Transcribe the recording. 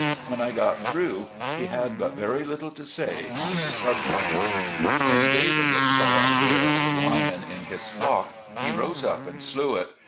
When I got through he had but very little to say on the subject. When David saw a bear or lion in his flock, he rose up and slew it.